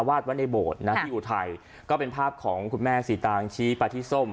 วาดว่าในโบสถ์นะฮะที่อุทัยก็เป็นภาพของคุณแม่สีตางชี้ปลาทิส้ม